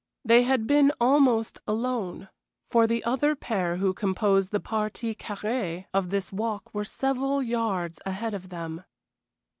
They had been almost alone, for the other pair who composed the partie carrée of this walk were several yards ahead of them.